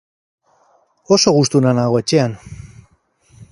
oso gustura nago etxean